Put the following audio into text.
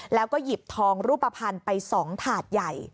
แล้วก็หยิบทองรูปภัณฑ์ไป๒ถาดใหญ่